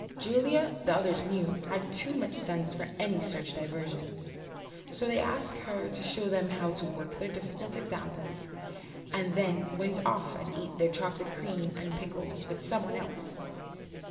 Julia, the others knew, had too much sense for any such diver sions. So they asked her to show them how to work their difficult examples, and then went off and ate their chocolate creams and pickles with some one else.